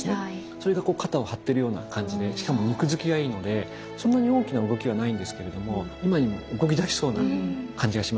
それがこう肩を張ってるような感じでしかも肉づきがいいのでそんなに大きな動きはないんですけれども今にも動きだしそうな感じがしますよね。